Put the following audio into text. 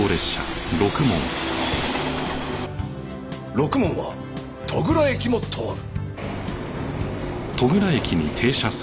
ろくもんは戸倉駅も通る。